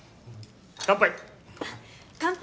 乾杯！